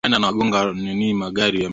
lakini kilimo ambacho kinategemea mvua